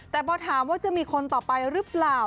แต่พอถามว่าจะมีคนต่อไปหรือเปล่า